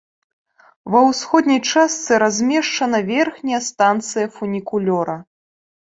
Ва ўсходняй частцы размешчана верхняя станцыя фунікулёра.